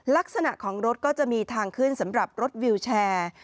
ลักษณะของรถก็จะมีทางขึ้นสำหรับรถวิวแชร์